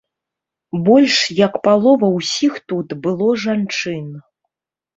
Больш як палова ўсіх тут было жанчын.